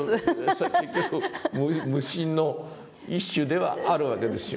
それも結局無心の一種ではあるわけですよ。